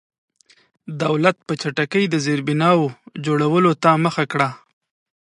دولت په چټکۍ د زېربنا جوړولو ته مخه کړه.